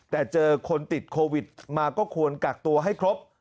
แต่เจอคนติดโควิดมาก็ควรกักตัวให้ครบ